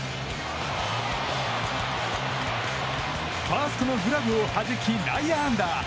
ファーストのグラブをはじき内野安打。